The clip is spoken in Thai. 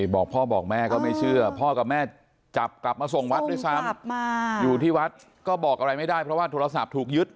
บอกพ่อบอกแม่ก็ไม่เชื่อพ่อกับแม่จับกลับมาส่งวัดด้วยซ้ำอยู่ที่วัดก็บอกอะไรไม่ได้เพราะว่าโทรศัพท์ถูกยึด